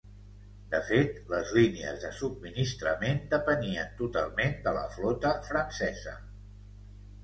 De fet, les línies de subministrament depenien totalment de la flota francesa.